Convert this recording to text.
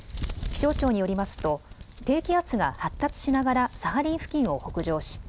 気象庁によりますと低気圧が発達しながらサハリン付近を北上し